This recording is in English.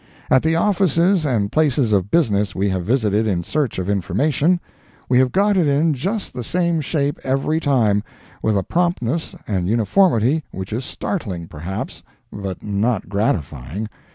At the offices and places of business we have visited in search of information, we have got it in just the same shape every time, with a promptness and uniformity which is startling, perhaps, but not gratifying.